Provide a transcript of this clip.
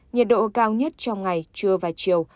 nhiệt độ cao nhất trong ngày trưa và chiều